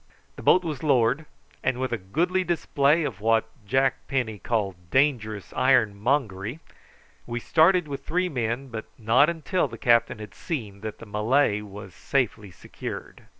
The boat was lowered, and with a goodly display of what Jack Penny called dangerous ironmongery, we started with three men, but not until the captain had seen that the Malay was safely secured.